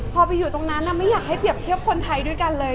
พอไปอยู่ตรงนั้นไม่อยากให้เปรียบเทียบคนไทยด้วยกันเลย